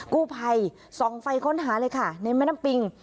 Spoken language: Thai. กู้ภัยส่องไฟค้นหาเลยค่ะในแม่น้ำปิง